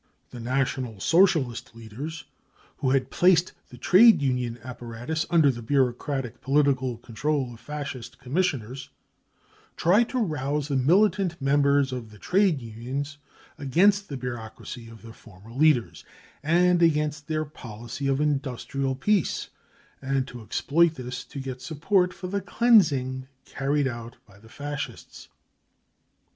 The National Socialist leaders, who had placed the trade union apparatus under the bureaucratic political control of Fascist Commissioners, tried to rouse the militant members of the trade unions against the bureau cracy of their former leaders and against their policy of industrial peace, and to exploit this to get support for the 44 cleansing 33 carried out by the Fascists.